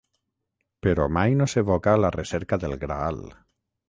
Però mai no s'evoca la recerca del Graal.